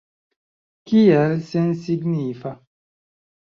Kial sensignifa?